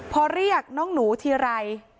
พอเรียกน้องหนูทีไร